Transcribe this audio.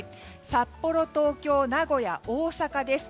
札幌、東京、名古屋、大阪です。